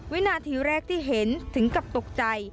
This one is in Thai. วินาทีแรกที่เห็นถึงกับตกใจ